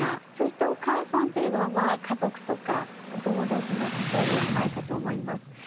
そしてお母さんというのはまあ家族とかお友達の喩えではないかと思います。